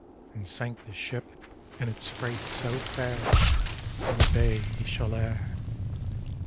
And sank the ship and its freight so fair In the Baie des Chaleurs.